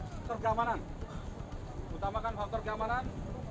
faktor keamanan utamakan faktor keamanan